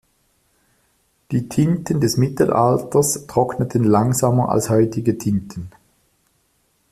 Die Tinten des Mittelalters trockneten langsamer als heutige Tinten.